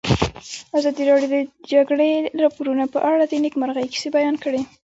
ازادي راډیو د د جګړې راپورونه په اړه د نېکمرغۍ کیسې بیان کړې.